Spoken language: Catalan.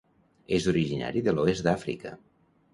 És originari de l'oest d'Àfrica.